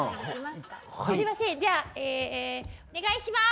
すいませんじゃあお願いします。